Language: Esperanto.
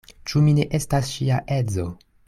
Ĉu mi ne estas ŝia edzo?